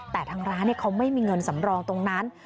แต่ทางร้านเขาไม่มีเงินสำรองตรงนั้น